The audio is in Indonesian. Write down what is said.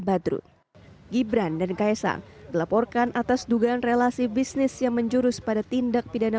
badrut gibran dan kaisang dilaporkan atas dugaan relasi bisnis yang menjurus pada tindak pidana